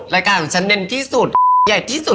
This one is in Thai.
รายการของฉันมาด้วยที่สุด